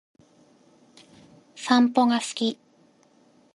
散歩が好き